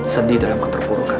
sendih dalam keterpurukan